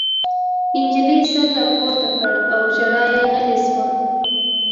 نجلۍ سر راپورته کړ او ژړا یې غلې شوه